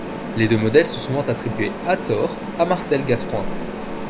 Les deux modèles sont souvent attribués à tort à Marcel Gascoin.